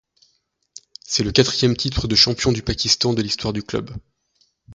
C'est le quatrième titre de champion du Pakistan de l'histoire du club.